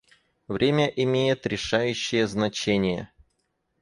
Время имеет решающее значение.